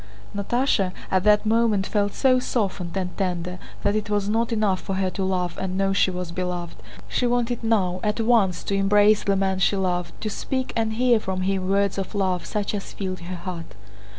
Natásha at that moment felt so softened and tender that it was not enough for her to love and know she was beloved, she wanted now, at once, to embrace the man she loved, to speak and hear from him words of love such as filled her heart.